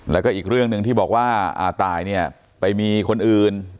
แล้วก็อีกเรื่องหนึ่งที่บอกว่าตายเนี่ยไปมีคนอื่น